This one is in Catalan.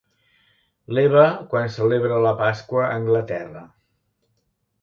L'Eva quan celebra la Pasqua a Anglaterra.